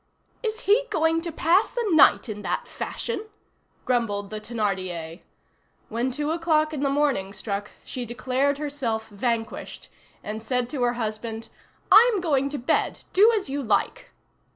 "Is he going to pass the night in that fashion?" grumbled the Thénardier. When two o'clock in the morning struck, she declared herself vanquished, and said to her husband, "I'm going to bed. Do as you like."